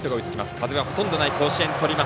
風がほとんどない甲子園。